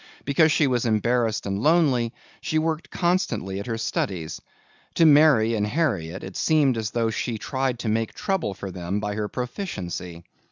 Because she was embarrassed and lonely she worked constantly at her studies. To Mary and Harriet, it seemed as though she tried to make trouble for them by her proficiency.